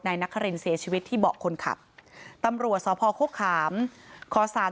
นักครินเสียชีวิตที่เบาะคนขับตำรวจสพโฆขามขอสาร